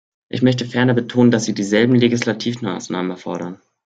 Ich möchte ferner betonen, dass sie dieselben Legislativmaßnahmen erfordern.